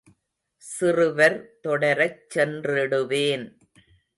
சிறுவர் தொடரச் சென்றிடுவேன்.